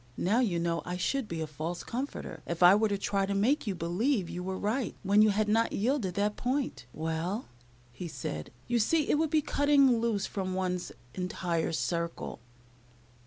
Now, you know I should be a false comforter if I were to try to make you believe you were right when you had not yielded that point. "Well," he said, "you see it would be cutting loose from one's entire circle."